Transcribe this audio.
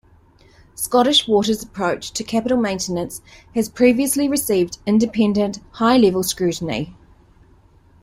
Scottish Water's approach to capital maintenance has previously received independent, high level scrutiny.